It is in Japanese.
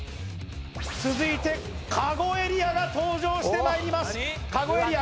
続いてかごエリアが登場してまいりますかごエリア